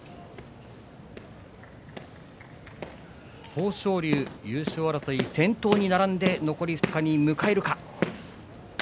豊昇龍は優勝争いに先頭に並んで残り２日を迎えるか。